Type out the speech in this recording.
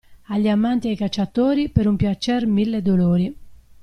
Agli amanti e ai cacciatori per un piacer mille dolori.